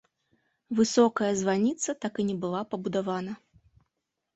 Высокая званіца так і не была пабудавана.